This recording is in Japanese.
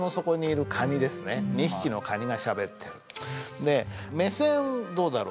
で目線どうだろう？